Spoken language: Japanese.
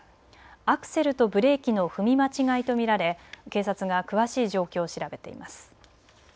アクセルとブレーキの踏み間違いと見られ警察が詳しい状況を調べています。